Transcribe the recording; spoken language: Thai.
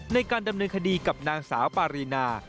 ในการดำเนินคดีกับนางสาวปารีนา